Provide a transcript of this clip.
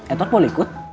edward boleh ikut